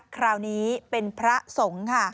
คราวนี้เป็นพระสงฆ์ค่ะ